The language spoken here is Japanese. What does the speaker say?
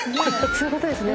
そういうことですね。